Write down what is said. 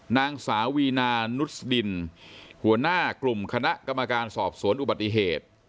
นางสาววีนานุษดินหัวหน้ากลุ่มคณะกรรมการสอบสวนอุบัติเหตุ